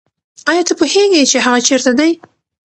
آیا ته پوهېږې چې هغه چېرته دی؟